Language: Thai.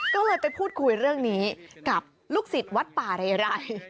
ก็เลยไปพูดคุยเรื่องนี้กับลูกศิษย์วัดป่าเรไร